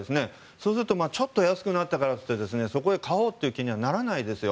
そうすると、ちょっと安くなったからといってそこを買おうという気にはならないですよ。